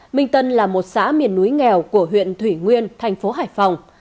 minh tân là một xã miền núi nghèo của huyện thủy nguyên thành phố hải phòng